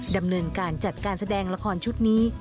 ดำเนินการจัดการแสดงละครชุดนี้